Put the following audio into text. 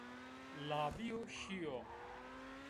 La bîyo, şîyo